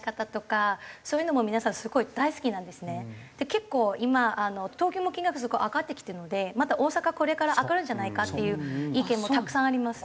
結構今東京も金額すごい上がってきてるのでまた大阪これから上がるんじゃないかっていう意見もたくさんあります。